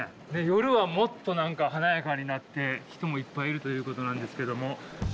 夜はもっと何か華やかになって人もいっぱいいるということなんですけども。